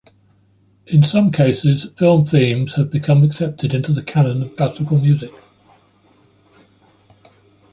In some cases, film themes have become accepted into the canon of classical music.